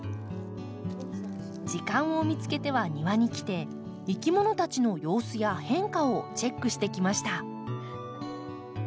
時間を見つけては庭に来ていきものたちの様子や変化をチェックしてきました。